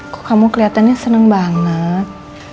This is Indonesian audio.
kok kamu kelihatannya senang banget